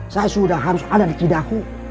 saya sudah harus ada di kidahu